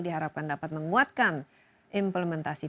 diharapkan dapat menguatkan implementasi